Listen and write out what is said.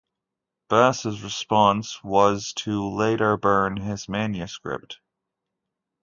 Bass's response was to later burn his manuscript.